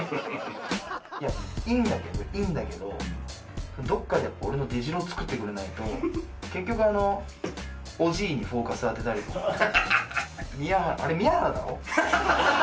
いやいいんだけどいいんだけどどこかで俺の出代を作ってくれないと結局あのおじいにフォーカス当てたりとかミヤハラあれミヤハラだろ？